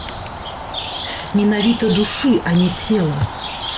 Менавіта душы, а не цела.